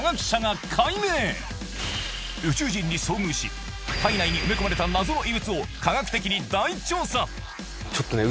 宇宙人に遭遇し体内に埋め込まれた謎の異物を科学的に大調査ちょっとね